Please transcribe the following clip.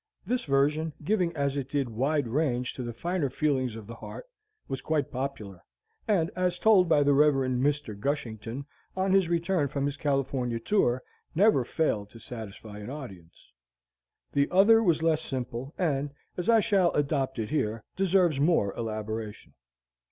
This version, giving as it did wide range to the finer feelings of the heart, was quite popular; and as told by the Rev. Mr. Gushington, on his return from his California tour, never failed to satisfy an audience. The other was less simple, and, as I shall adopt it here, deserves more elaboration.